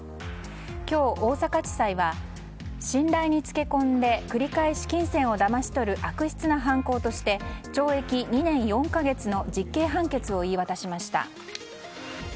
今日、大阪地裁は信頼につけ込んで繰り返し金銭をだまし取る悪質な犯行として懲役２年４か月の実刑判決を言い渡しました。